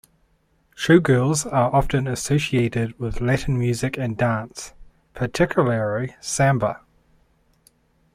Showgirls are often associated with Latin music and dance, particularly samba.